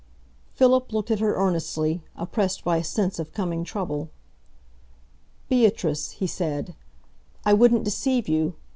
Philip looked at her earnestly, oppressed by a sense of coming trouble. "Beatrice," he said, "I wouldn't deceive you.